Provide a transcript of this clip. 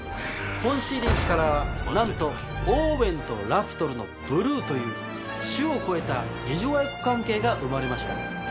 本シリーズからはなんとオーウェンとラプトルのブルーという種を超えた疑似親子関係が生まれました。